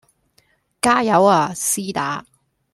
加油呀絲打